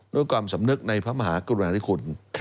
ด้วยความสำนึกในพระมหากรุณาธิคุณ